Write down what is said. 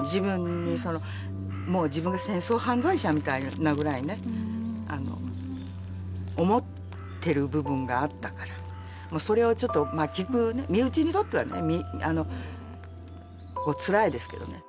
自分にそのもう自分が戦争犯罪者みたいなぐらいにね思ってる部分があったからそれをちょっとまあ聞く身内にとってはねつらいですけどね